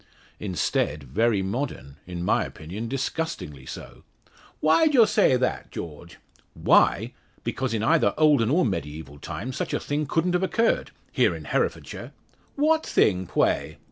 "Instead, very modern; in my opinion, disgustingly so!" "Why d'y aw say that, Jawge?" "Why! Because in either olden or mediaeval times such a thing couldn't have occurred here in Herefordshire." "What thing, pway?"